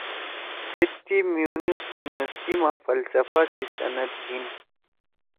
تھید تی میونخ یونیورسٹی ما فلسفہ سی سند گھیِن